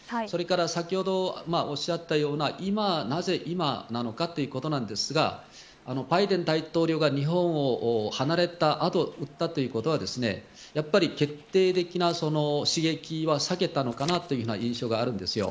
先ほどおっしゃったようななぜ今なのかということですがバイデン大統領が日本を離れた後撃ったということはやっぱり決定的な刺激は避けたのかなという印象があるんですよ。